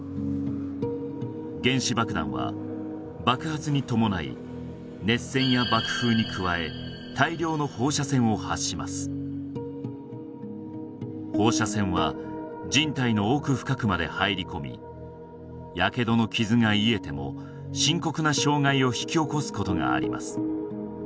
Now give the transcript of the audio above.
原子爆弾は爆発に伴い熱線や爆風に加え大量の放射線を発します放射線は人体の奥深くまで入り込みやけどの傷が癒えても深刻な障害を引き起こすことがあります